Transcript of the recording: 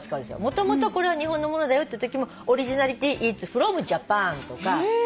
もともとこれは日本のものだよっていうときも「オリジナリティーイッツフロムジャパン」とか。